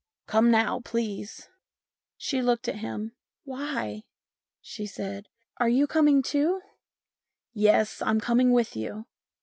" Come now, please." She looked at him. " Why ?" she said, " are you coming too ?" "Yes, I'm coming with you."